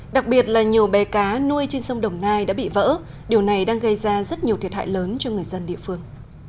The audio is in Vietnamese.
đặc biệt là nhiều bè cá nuôi trên sông đồng nai đã bị vỡ điều này đang gây ra rất nhiều thiệt hại lớn cho người dân địa phương